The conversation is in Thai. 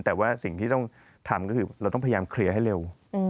แต่ว่าสิ่งที่ต้องทำก็คือเราต้องพยายามเคลียร์ให้เร็ว